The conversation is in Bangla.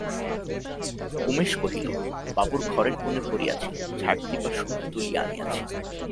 উমেশ কহিল, বাবুর ঘরের কোণে পড়িয়াছিল, ঝাঁট দিবার সময় তুলিয়া আনিয়াছি।